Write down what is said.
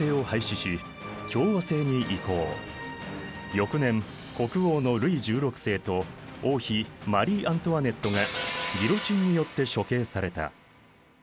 翌年国王のルイ１６世と王妃マリー・アントワネットがギロチンによって処刑された。